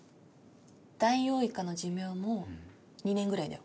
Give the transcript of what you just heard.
ダイオウイカの寿命も２年ぐらいだよ。